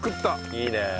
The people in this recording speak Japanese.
いいねえ。